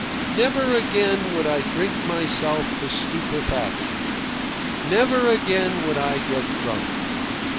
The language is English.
Never again would I drink myself to stupefaction. Never again would I get drunk.